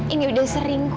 ini udah sering kok